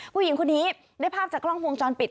ผู้หญิงคนนี้ได้ภาพจากกล้องวงจรปิด